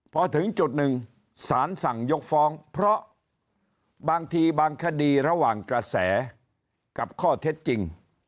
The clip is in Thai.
พอถึงจุดหนึ่งสารสั่งยกฟ้องเพราะบางทีบางคดีระหว่างกระแสกับข้อเท็จจริง